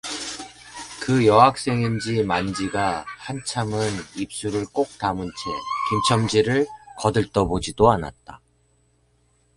그 여학생인지 만지가 한참은 입술을 꼭 다문 채 김첨지를 거들떠보지도 않았다.